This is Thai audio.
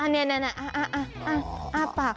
นี่อ้าปาก